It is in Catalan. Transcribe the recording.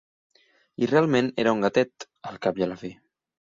I realment era un gatet, al cap i a la fi.